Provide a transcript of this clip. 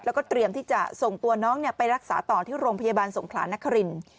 แล้วก็เตรียมที่จะส่งตัวน้องไปรักษาต่อที่โรงพยาบาลสงขลานครินทร์